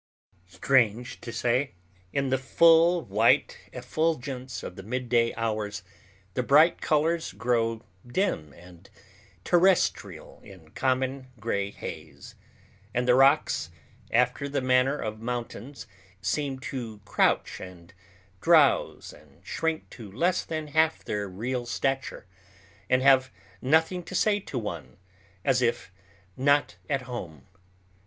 Strange to say, in the full white effulgence of the midday hours the bright colors grow dim and terrestrial in common gray haze; and the rocks, after the manner of mountains, seem to crouch and drowse and shrink to less than half their real stature, and have nothing to say to one, as if not at home.